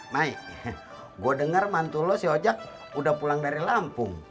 mai gua denger mantul lo si ojek udah pulang dari lampung